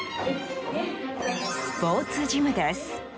スポーツジムです。